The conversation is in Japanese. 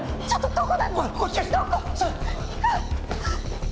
どこ！？